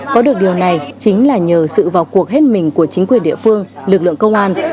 có được điều này chính là nhờ sự vào cuộc hết mình của chính quyền địa phương lực lượng công an